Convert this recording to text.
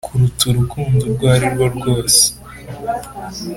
kuruta urukundo urwo arirwo rwose